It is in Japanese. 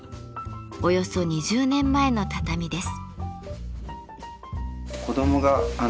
およそ２０年前の畳です。